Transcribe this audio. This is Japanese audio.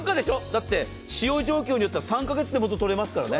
だって使用状況によっては３カ月で元が取れますからね。